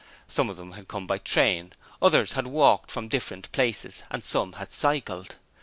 Some of them had come by train, others had walked from different places and some had cycled.